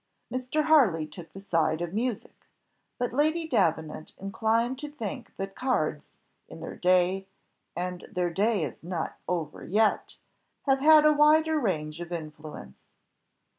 Mr. Harley took the side of music, but Lady Davenant inclined to think that cards, in their day, and their day is not over yet, have had a wider range of influence.